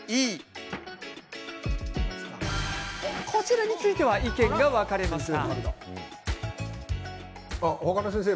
こちらについては意見が分かれました。